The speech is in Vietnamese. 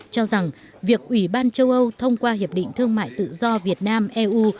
cho rằng việc ủy ban châu âu thông qua hiệp định thương mại tự do việt nam eu